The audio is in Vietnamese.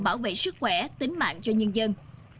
bảo vệ sức khỏe tính mạng cho nhân dân